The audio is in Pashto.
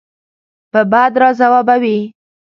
په بد راځوابوي.